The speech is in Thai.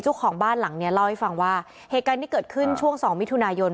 เจ้าของบ้านหลังเนี้ยเล่าให้ฟังว่าเหตุการณ์ที่เกิดขึ้นช่วงสองมิถุนายน